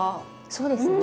そうですね。